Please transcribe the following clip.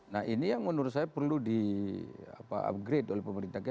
nah ini yang menurut saya perlu di upgrade oleh pemerintah kita